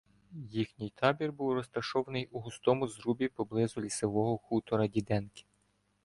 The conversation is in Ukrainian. їхній табір був розташований у густому зрубі поблизу лісового хутора Діденки.